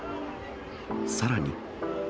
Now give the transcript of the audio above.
さらに。